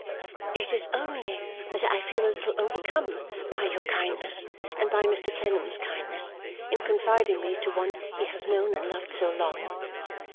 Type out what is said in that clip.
'It is only that I feel a little overcome by your kindness, and by Mr Clennam's kindness in confiding me to one he has known and loved so long.